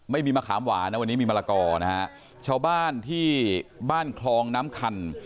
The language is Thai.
มะขามหวานนะวันนี้มีมะละกอนะฮะชาวบ้านที่บ้านคลองน้ำคัน